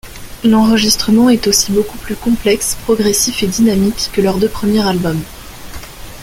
L'enregistrement est aussi beaucoup plus complexe, progressif et dynamique que leurs deux premiers albums.